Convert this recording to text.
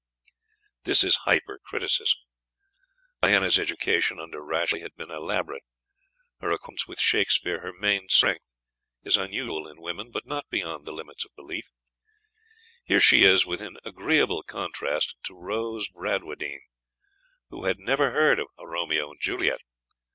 This is hypercriticism. Diana's education, under Rashleigh, had been elaborate; her acquaintance with Shakspeare, her main strength, is unusual in women, but not beyond the limits of belief. Here she is in agreeable contrast to Rose Bradwardine, who had never heard of "Romeo and Juliet."